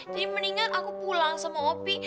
jadi mendingan aku pulang sama opi